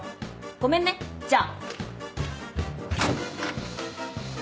ごめんねじゃあ！